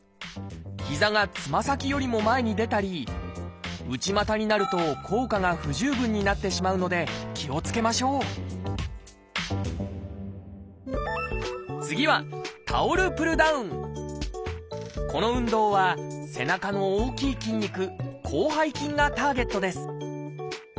膝がつま先よりも前に出たり内股になると効果が不十分になってしまうので気をつけましょう次はこの運動は背中の大きい筋肉「広背筋」がターゲットです